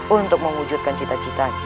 untuk mengwujudkan cita cita